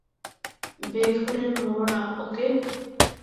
বেঘোরে মরো না, ওকে?